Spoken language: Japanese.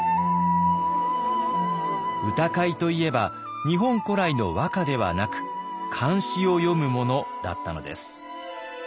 歌会といえば日本古来の和歌ではなく漢詩を詠むものだったのです。